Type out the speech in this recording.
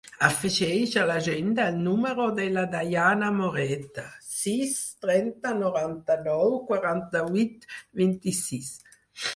Afegeix a l'agenda el número de la Dayana Moreta: sis, trenta, noranta-nou, quaranta-vuit, vint-i-sis.